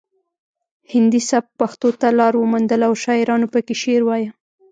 هندي سبک پښتو ته لار وموندله او شاعرانو پکې شعر وایه